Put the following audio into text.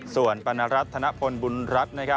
ส่วนปรณรัฐธนพลบุญรัฐ